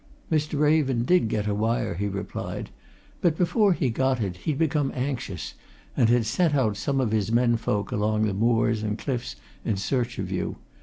"Mr. Raven did get a wire," he replied; "but before he got it, he'd become anxious, and had sent out some of his men folk along the moors and cliffs in search of you.